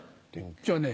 じゃあね